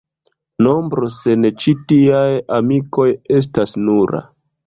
Nombro sen ĉi tiaj amikoj estas nura.